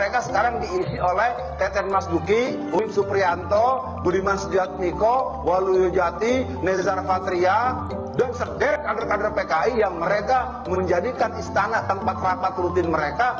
ketakutan kerasnya kerajaan kerajaan yang menjadikan istana tanpa kerapat rutin mereka